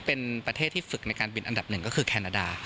เป็นประเทศที่ฝึกในการบินอันดับหนึ่งก็คือแคนาดา